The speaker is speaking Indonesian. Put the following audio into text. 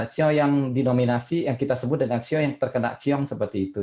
siu yang didominasi yang kita sebut dengan siu yang terkena ciong seperti itu